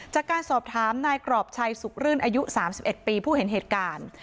จากการสอบถามนายกรอบชัยสุขรื่นอายุ๓๑ปีผู้เห็นเหตุการณ์